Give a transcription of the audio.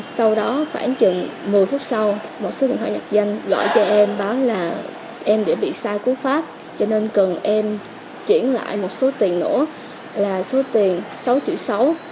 sau đó khoảng chừng một mươi phút sau một số điện thoại nhập danh gọi cho em báo là em đã bị sai cú pháp cho nên cần em chuyển lại một số tiền nữa là số tiền sáu triệu sáu